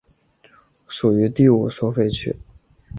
属于第五收费区。